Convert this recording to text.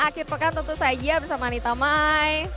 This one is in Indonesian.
akhir pekan tentu saja bersama anita mai